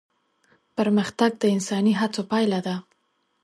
پرمختګ د انساني هڅو پايله ده.